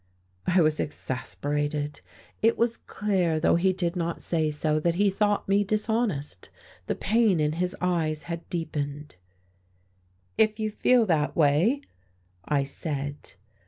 I was exasperated. It was clear, though he did not say so, that he thought me dishonest. The pain in his eyes had deepened. "If you feel that way " I said.